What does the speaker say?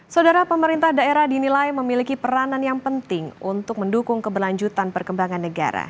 saudara pemerintah daerah dinilai memiliki peranan yang penting untuk mendukung keberlanjutan perkembangan negara